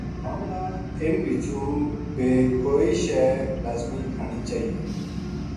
ہمنا اِنھ بچوں بے کوئی شے لازمی کھانی چاہیئے